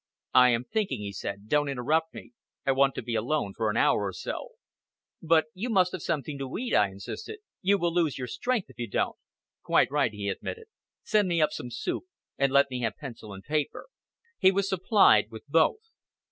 "I am thinking," he said. "Don't interrupt me; I want to be alone for an hour or so." "But you must have something to eat," I insisted. "You will lose your strength if you don't." "Quite right," he admitted. "Send me up some soup, and let me have pencil and paper." He was supplied with both.